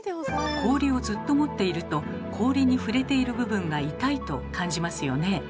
氷をずっと持っていると氷に触れている部分が痛いと感じますよね。